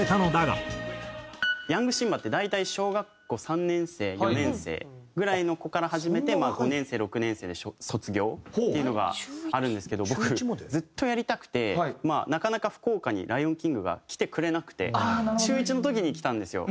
ヤングシンバって大体小学校３年生４年生ぐらいの子から始めて５年生６年生で卒業っていうのがあるんですけど僕ずっとやりたくてなかなか福岡に『ライオンキング』が来てくれなくて中１の時に来たんですよ。